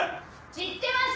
知ってます！